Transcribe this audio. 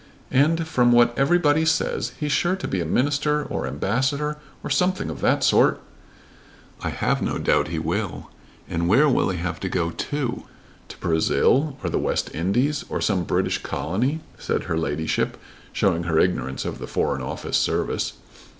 "And from what everybody says he's sure to be a minister or ambassador or something of that sort." "I've no doubt he will. And where'll he have to go to? To Brazil, or the West Indies, or some British Colony," said her ladyship showing her ignorance of the Foreign Office service.